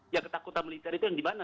ya ketakutan militer itu yang dimana